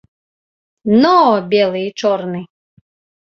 Но, белы і чорны!